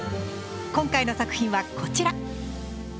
今回の作品はこちら。